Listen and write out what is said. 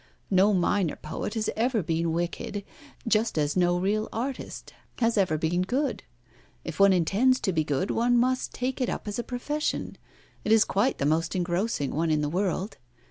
No minor poet has ever been wicked, just as no real artist has ever been good. If one intends to be good, one must take it up as a profession. It is quite the most engrossing one in the world.